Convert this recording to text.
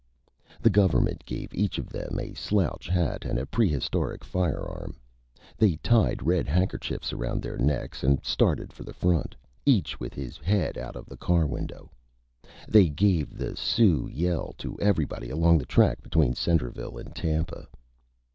The Government gave each of them a Slouch Hat and a prehistoric Firearm. They tied Red Handkerchiefs around their Necks and started for the Front, each with his Head out of the Car Window. They gave the Sioux Yell to everybody along the Track between Centreville and Tampa.